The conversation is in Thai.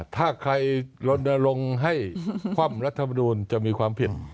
ถ้าใครลนลงให้คว่ำรัฐมนูลจะมีความผิด